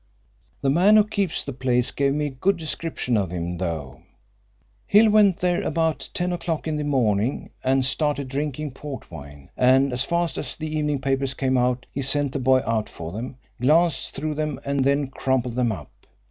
The man who keeps the place gave me a good description of him, though. Hill went there about ten o'clock in the morning, and started drinking port wine, and as fast as the evening papers came out he sent the boy out for them, glanced through them, and then crumpled them up.